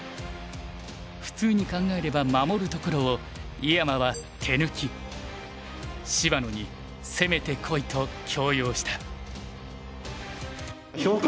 普通に考えれば守るところを井山は手抜き芝野に攻めてこいと強要した。